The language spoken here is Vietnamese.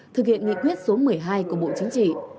thực hiện nghị quyết số một mươi hai của bộ chính trị